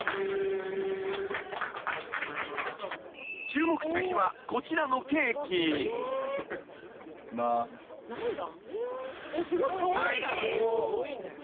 ［注目すべきはこちらのケーキ］いきます。